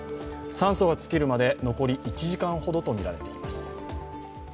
酸素が尽きるまで残り１時間ほどとみられています。